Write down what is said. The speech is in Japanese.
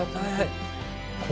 はい！